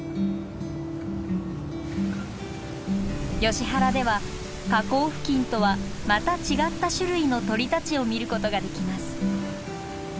ヨシ原では河口付近とはまた違った種類の鳥たちを見ることができます。